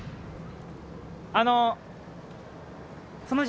あの。